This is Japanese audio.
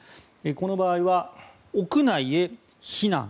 この場合は、屋内へ避難。